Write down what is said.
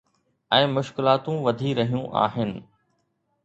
۽ مشڪلاتون وڌي رهيون آهن.